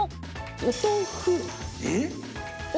お豆腐を。